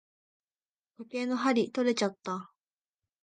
時計の針とれちゃった。